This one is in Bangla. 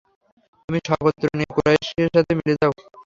তুমি সগোত্র গিয়ে কুরাইশদের সাথে মিলে যাও।